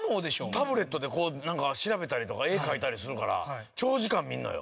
タブレットで調べたりとか絵描いたりするから長時間見るのよ。